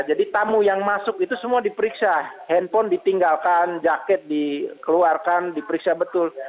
jadi tamu yang masuk itu semua diperiksa handphone ditinggalkan jaket dikeluarkan diperiksa betul